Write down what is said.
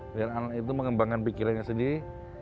dan anak itu mengembangkan pikirannya sendiri